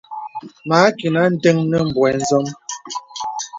Mə à kinà ǹdəŋ nə buɛ zɔm.